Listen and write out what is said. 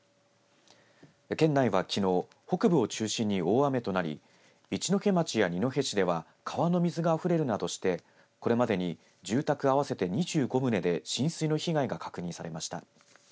県内はきのう北部を中心に大雨となり一戸町や二戸市では川の水があふれるなどしてこれまでに住宅合わせて２５棟で浸水の被害が確認されました。